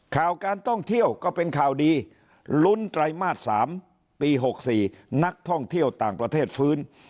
ข่าวการท่องเที่ยวก็เป็นข่าวดีลุ้นไตรมาส๓ปี๖๔นักท่องเที่ยวต่างประเทศฟื้น